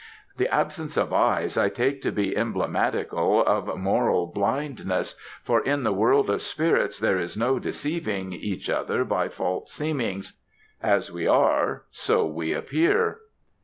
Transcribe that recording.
"The absence of eyes I take to be emblematical of moral blindness; for in the world of spirits there is no deceiving each other by false seemings; as we are, so we appear."